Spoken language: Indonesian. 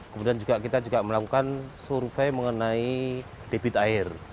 kemudian kita juga melakukan survei mengenai debit air